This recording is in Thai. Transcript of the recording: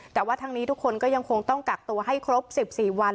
แต่ว่าทั้งนี้ทุกคนก็ยังคงต้องกักตัวให้ครบ๑๔วัน